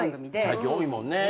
最近多いもんね。